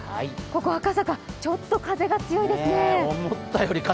ここ赤坂、ちょっと風が強いですね。